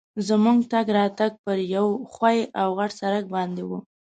زموږ تګ راتګ پر یوه ښوي او غټ سړک باندي وو.